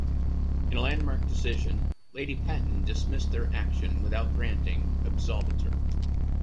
In a landmark decision, Lady Paton dismissed their action without granting "absolvitor".